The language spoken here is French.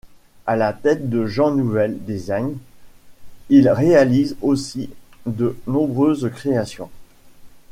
À la tête de Jean Nouvel Design, il réalise aussi de nombreuses créations.